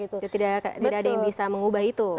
tidak ada yang bisa mengubah itu